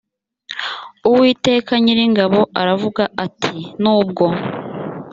uwiteka nyiringabo aravuga ati nubwo